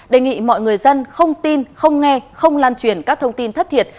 đề nghị mọi người dân không tin không nghe không lan truyền các thông tin thất thiệt